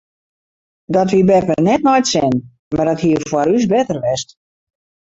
Dat wie beppe net nei it sin mar dat hie foar ús better west.